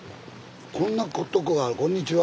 こんなとこがあるこんにちは。